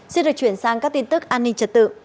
xin được chuyển sang các tin tức an ninh trật tự